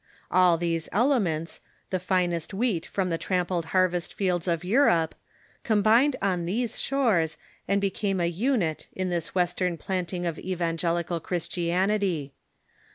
All these elements, the finest wheat from the trampled harvest fields of Europe, combined on these shores, and became a unit in this w^estern planting of evangelical Christianity.